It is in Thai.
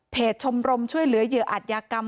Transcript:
ชมรมช่วยเหลือเหยื่ออัตยากรรม